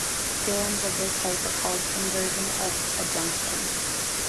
Theorems of this type are called inversion of adjunction.